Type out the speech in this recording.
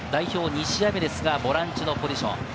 ２試合目ですが、ボランチのポジション。